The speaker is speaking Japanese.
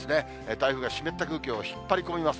台風が湿った空気を引っ張り込みます。